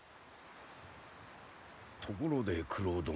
ところで九郎殿。